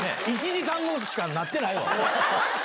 １時間しかなってないわ。